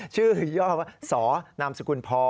ชื่อย่อออกมาสนามสกุลพ